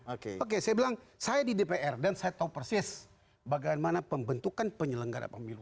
oke oke saya bilang saya di dpr dan saya tahu persis bagaimana pembentukan penyelenggara pemilu